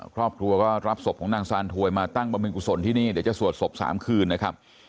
ครอบครัวก็รับศพของนางซานถวยมาตั้งบริเวณกุศลที่นี่เดี๋ยวจะสวดศพ๓คืนนะครับ